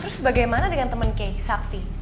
terus bagaimana dengan temen kay sakti